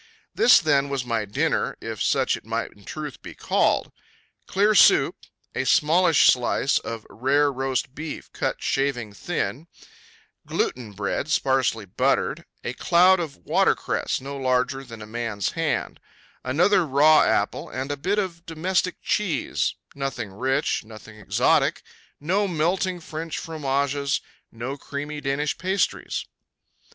This, then, was my dinner, if such it might in truth be called: Clear soup, a smallish slice of rare roast beef cut shaving thin, gluten bread sparsely buttered, a cloud of watercress no larger than a man's hand, another raw apple and a bit of domestic cheese nothing rich, nothing exotic, no melting French fromages, no creamy Danish pastries.